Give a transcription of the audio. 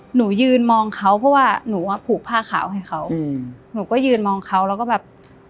หนูยืนมองเขาเพราะว่าหนูอ่ะผูกผ้าขาวให้เขาอืมหนูก็ยืนมองเขาแล้วก็แบบ